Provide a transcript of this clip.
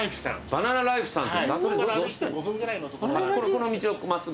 バナナライフさん。